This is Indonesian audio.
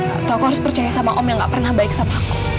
atau aku harus percaya sama om yang gak pernah baik sama aku